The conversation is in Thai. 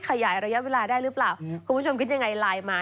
ขยายระยะเวลาได้หรือเปล่าคุณผู้ชมคิดยังไงไลน์มา